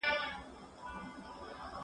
زه زده کړه نه کوم؟!